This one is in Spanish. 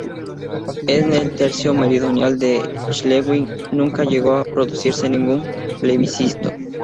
En el tercio meridional de Schleswig nunca llegó a producirse ningún plebiscito.